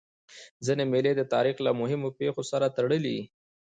ځيني مېلې د تاریخ له مهمو پېښو سره تړلي يي.